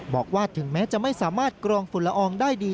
บอกว่าถึงแม้จะไม่สามารถกรองฝุ่นละอองได้ดี